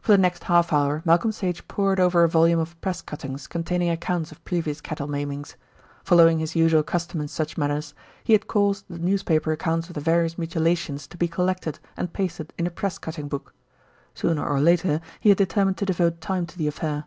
For the next half hour Malcolm Sage pored over a volume of press cuttings containing accounts of previous cattle maimings. Following his usual custom in such matters, he had caused the newspaper accounts of the various mutilations to be collected and pasted in a press cutting book. Sooner or later he had determined to devote time to the affair.